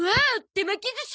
手巻き寿司！